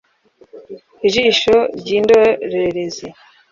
Ijisho ryindorerezi